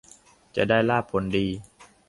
จะได้ลาภผลดี